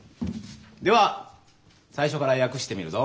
では最初から訳してみるぞ。